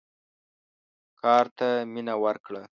کار ته مینه ورکړه.